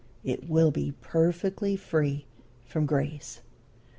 It will be perfectly free from grease.